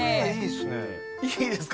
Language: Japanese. いいですか？